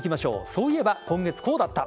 そういえば今月こうだった。